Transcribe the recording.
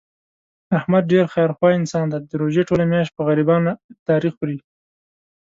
احمد ډېر خیر خوا انسان دی، د روژې ټوله میاشت په غریبانو افطاري خوري.